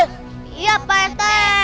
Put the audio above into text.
iya pak irte